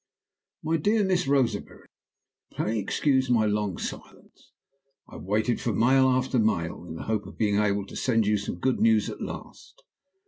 "MY DEAR MISS ROSEBERRY Pray excuse my long silence. I have waited for mail after mail, in the hope of being able to send you some good news at last.